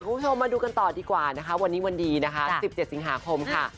คุณผู้ชมมาดูกันต่อดีกว่านะคะวันนี้วันดีนะคะ๑๗สิงหาคมค่ะ